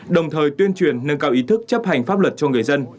đồng thời tuyên truyền nâng cao ý thức chấp hành pháp luật cho người dân